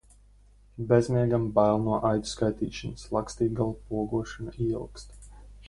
Bezmiegam bail no aitu skaitīšanas. Lakstīgalu pogošana ieilgst.